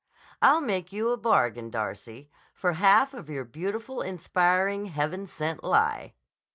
I'll make you a bargain, Darcy, for half of your beautiful, inspiring, heaven sent lie.